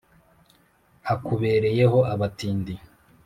hakubereyeho abatindi